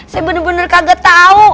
saya bener bener kagak tahu